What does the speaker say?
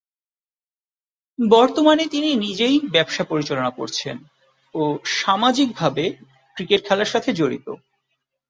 বর্তমানে তিনি নিজেই ব্যবসা পরিচালনা করছেন ও সামাজিকভাবে ক্রিকেট খেলার সাথে জড়িত।